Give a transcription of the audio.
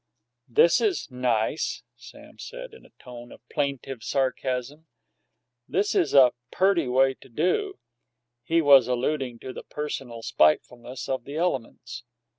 "Yes; this is nice!" Sam said, in a tone of plaintive sarcasm. "This is a perty way to do!" (He was alluding to the personal spitefulness of the elements.)